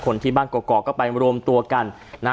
คนที่บ้านเกาะเกาะก็ไปรวมตัวกัน